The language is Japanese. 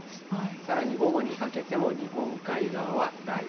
さらに午後にかけても日本海側は雷雨。